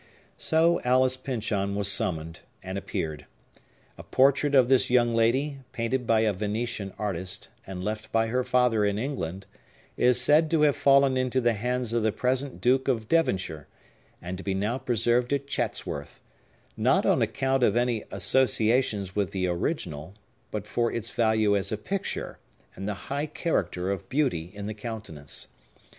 So Alice Pyncheon was summoned, and appeared. A portrait of this young lady, painted by a Venetian artist, and left by her father in England, is said to have fallen into the hands of the present Duke of Devonshire, and to be now preserved at Chatsworth; not on account of any associations with the original, but for its value as a picture, and the high character of beauty in the countenance.